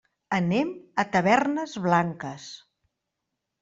Anem a Tavernes Blanques.